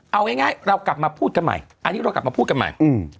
เอาง่ายเรากลับมาพูดกันใหม่อันนี้เรากลับมาพูดกันใหม่